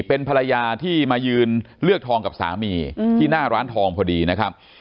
เป็นภรรยาที่มายืนเลือกทองกับสามีที่หน้าร้านทองพอดีนะครับ